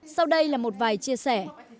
sau đây là một vài chia sẻ